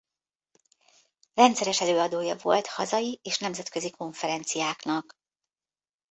Rendszeres előadója volt hazai és nemzetközi konferenciáknak.